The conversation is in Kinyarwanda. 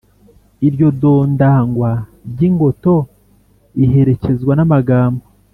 lryo dondangwa ry'ingoto iherekezwa n'amagambo